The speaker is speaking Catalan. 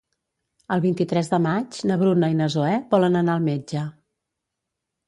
El vint-i-tres de maig na Bruna i na Zoè volen anar al metge.